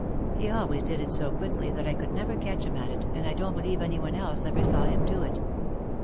He always did it so quickly that I could never catch him at it and I don't believe any one else ever saw him do it.